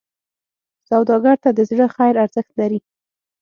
سوالګر ته د زړه خیر ارزښت لري